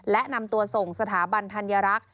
และนำตัวส่งสถาบันธัญรักษ์